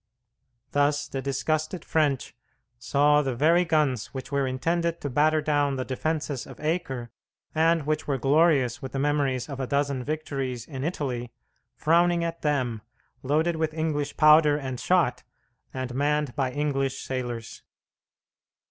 Thus the disgusted French saw the very guns which were intended to batter down the defences of Acre and which were glorious with the memories of a dozen victories in Italy frowning at them, loaded with English powder and shot, and manned by English sailors.